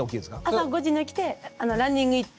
朝５時に起きてランニング行って。